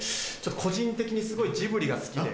個人的にすごいジブリが好きで。